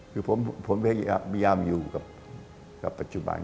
คือผมพยายามอยู่กับปัจจุบัน